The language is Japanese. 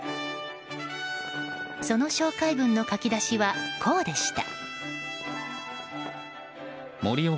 その紹介文の書き出しはこうでした。